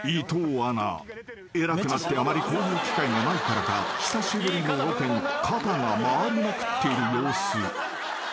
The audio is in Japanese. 偉くなってあまりこういう機会がないからか久しぶりのロケに肩が回りまくっている様子］